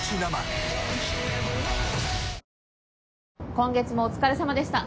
今月もお疲れさまでした。